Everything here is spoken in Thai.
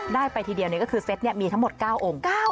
ได้ไปทีเดียวก็คือเซ็ตมีทั้งหมด๙องค์